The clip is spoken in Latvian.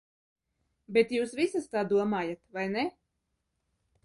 Bet jūs visas tā domājat, vai ne?